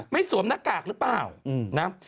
ไม่สวมหน้ากากหรือเปล่า